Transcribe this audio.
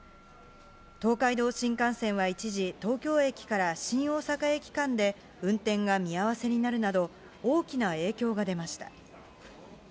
東海道新幹線は一時、東京駅から新大阪駅間で運転が見合わせになるなど、大きな影響が出ました。